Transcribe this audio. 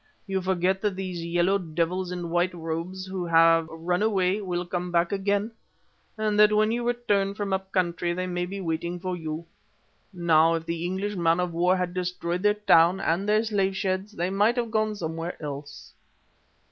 You forget that these yellow devils in white robes who have run away will come back again, and that when you return from up country, they may be waiting for you. Now if the English man of war had destroyed their town, and their slave sheds, they might have gone somewhere else.